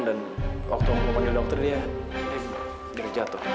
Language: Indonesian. dan waktu aku panggil dokter dia dia jatuh